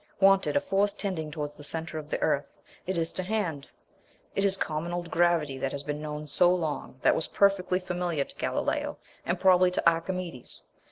Wanted, a force tending towards the centre of the earth. It is to hand! It is common old gravity that had been known so long, that was perfectly familiar to Galileo, and probably to Archimedes.